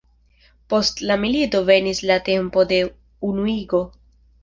Post la milito venis la tempo de unuigo.